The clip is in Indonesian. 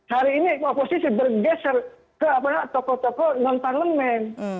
hari ini oposisi bergeser ke tokoh tokoh non parlemen